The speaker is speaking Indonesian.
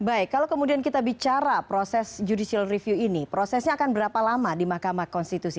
baik kalau kemudian kita bicara proses judicial review ini prosesnya akan berapa lama di mahkamah konstitusi